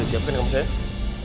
udah siapin kamu sayang